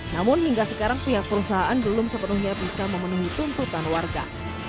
namun hingga sekarang pihak perusahaan belum sepenuhnya bisa memenuhi tuntutan warga